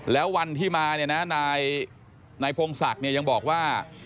แล้ววันที่มานายพงศักดิ์ยังบอกว่า